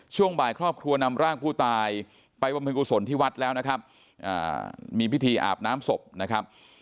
ช่วงบ่ายครอบครัวนำร่างผู้ตายไปบำเพ็ญกุศลที่วัดแล้วนะครับมีพิธีอาบน้ำศพนะครับ